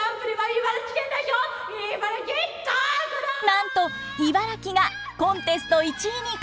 なんと茨城がコンテスト１位に輝きました。